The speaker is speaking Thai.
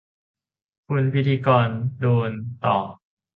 คุณพิธีกรโดนตอก